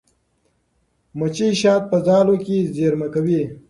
مچۍ شات په ځالو کې زېرمه کوي.